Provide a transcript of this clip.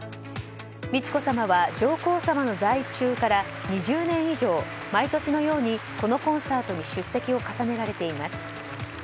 美智子さまは上皇さまの在位中から２０年以上毎年のようにこのコンサートに出席を重ねられています。